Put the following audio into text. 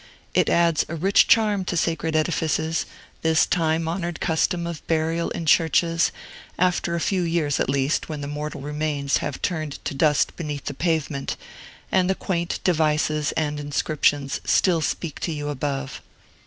It adds a rich charm to sacred edifices, this time honored custom of burial in churches, after a few years, at least, when the mortal remains have turned to dust beneath the pavement, and the quaint devices and inscriptions still speak to you above.